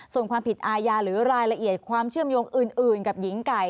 ส่วนความผิดอาญาหรือรายละเอียดความเชื่อมโยงอื่นกับหญิงไก่